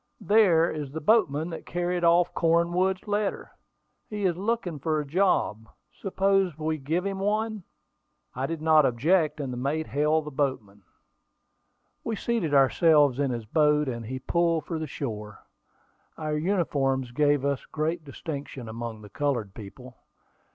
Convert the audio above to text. "There is the boatman that carried off Cornwood's letter. He is looking for a job: suppose we give him one?" I did not object, and the mate hailed the boatman. We seated ourselves in his boat, and he pulled for the shore. Our uniforms gave us great distinction among the colored people.